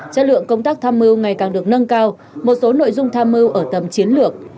chất lượng công tác tham mưu ngày càng được nâng cao một số nội dung tham mưu ở tầm chiến lược